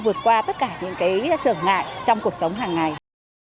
vượt qua tất cả những cái trở ngại trong cuộc sống hàng ngày